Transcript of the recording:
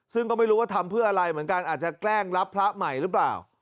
ซึ่งก็ไม่รู้ว่าทำเพื่ออะไรเหมือนกันอาจจะแกล้งรับพระใหม่หรือเปล่า